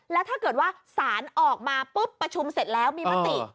แล้วถ้าเกิดว่าสารออกมาปุ๊บประชุมเสร็จแล้วมีมติ